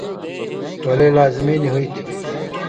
ولے لازمی نی ہُوئ تھی۔